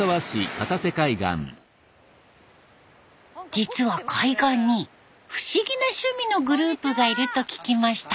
実は海岸に不思議な趣味のグループがいると聞きました。